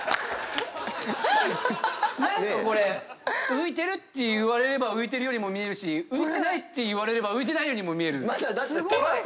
浮いてるって言われれば浮いてるようにも見えるし浮いてないって言われれば浮いてないようにも見える。